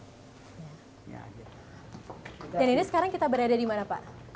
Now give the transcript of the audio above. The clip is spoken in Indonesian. dan ini sekarang kita berada di mana pak